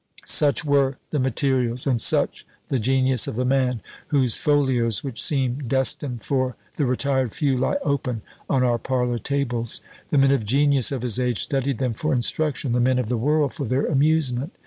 Such were the materials, and such the genius of the man, whose folios, which seem destined for the retired few, lie open on our parlour tables. The men of genius of his age studied them for instruction, the men of the world for their amusement.